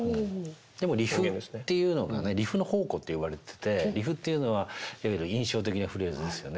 でもリフっていうのがねリフの宝庫っていわれててリフっていうのはいわゆる印象的なフレーズですよね。